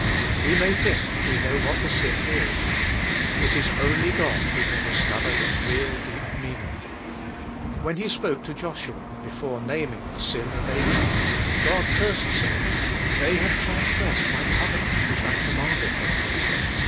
We may think we know what the sin is : it is only God who can discover its real deep meaning. When He spoke to Joshua, before naming the sin of Achan, God first said, " They have transgressed My covenant which I commanded them."